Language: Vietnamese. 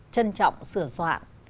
trân trọng sửa soạn